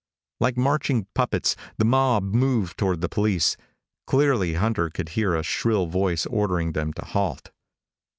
Like marching puppets, the mob moved toward the police. Clearly Hunter could hear a shrill voice ordering them to halt.